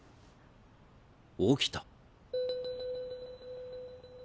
起きた。